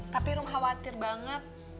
tapi rum khawatir banget